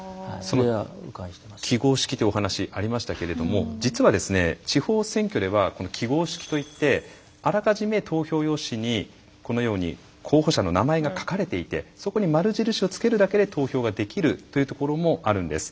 その記号式というお話ありましたけれども実は地方選挙では記号式といってあらかじめ投票用紙にこのように候補者の名前が書かれていてそこに丸印をつけるだけで投票ができるというところもあるんです。